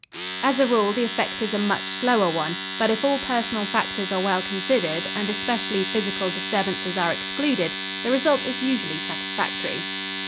As a rule the effect is a much slower one, but if all personal factors are well considered and especially physical disturbances are excluded, the result is usually satisfactory.